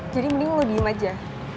jadi mending lo diem aja